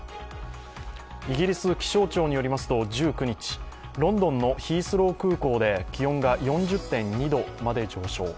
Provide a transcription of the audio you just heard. イギリス気象庁によりますと１９日、ロンドンのヒースロー空港で気温が４０．２度まで上昇。